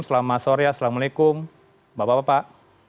selamat sore assalamualaikum bapak bapak